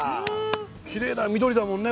きれいな緑だもんね